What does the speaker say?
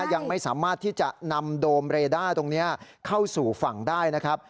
ยังไม่สามารถที่จะนำโดมเรด้าตรงนี้เข้าสู่ฝั่งได้นะครับ